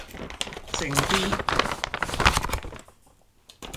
靜啲